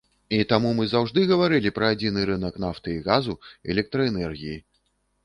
І таму мы заўжды гаварылі пра адзіны рынак нафты і газу, электраэнергіі.